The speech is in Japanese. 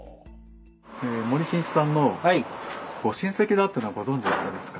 森進一さんのご親戚だというのはご存じだったですか？